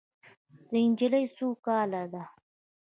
دا نجلۍ د څو کالو ده